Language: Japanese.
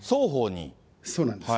そうなんです。